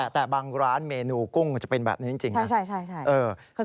แต่บางร้านเมนูตัวร้านกุ้งจะเป็นแบบนั้นจริงนะ